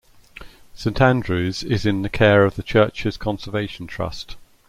Saint Andrew's is in the care of the Churches Conservation Trust.